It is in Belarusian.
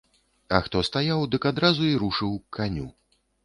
А хто стаяў, дык адразу й рушыў к каню.